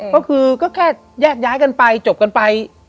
ก็คือก็แค่แยกย้ายกันไปจบกันไป